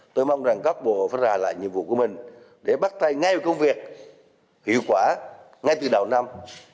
tôi mong rằng các bộ phải ra lại nhiệm vụ của mình để bắt tay ngay công việc hiệu quả ngay từ đầu năm